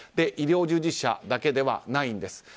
医療従事者だけではないんです。